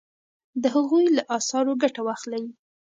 د هغوی له اثارو ګټه واخلئ.